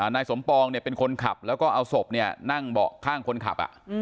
นายสมปองเนี่ยเป็นคนขับแล้วก็เอาศพนั่งเบาะข้างคนขับ